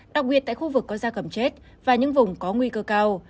đặc biệt tại khu vực có da cầm chết và những vùng có nguy cơ cao